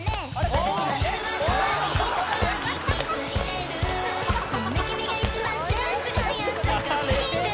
わたしの一番、かわいいところに気付いてるそんな君が一番すごいすごいよすごすぎる！